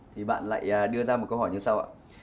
thì bạn lại đưa ra một câu hỏi như sau ạ